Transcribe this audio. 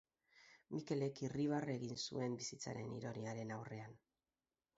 Mikelek irribarre egin zuen bizitzaren ironiaren aurrean.